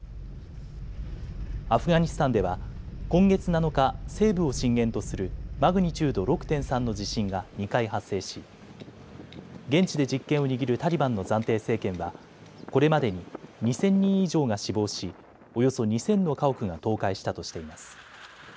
アフガニスタンでは今月７日、西部を震源とするマグニチュード６．３の地震が２回発生し現地で実権を握るタリバンの暫定政権はこれまでに２０００人以上が死亡しおよそ２０００の家屋が倒壊したとしています。